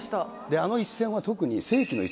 であの一戦は特に。